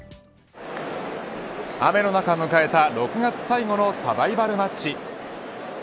雨の中迎えた６月最後のサバイバルマッチ。